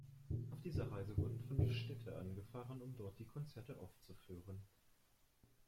Auf dieser Reise wurden fünf Städte angefahren, um dort die Konzerte aufzuführen.